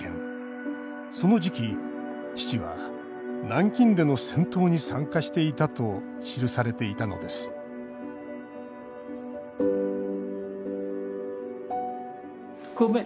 その時期、父は南京での戦闘に参加していたと記されていたのですごめん。